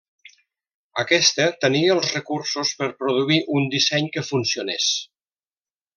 Aquesta tenia els recursos per produir un disseny que funciones.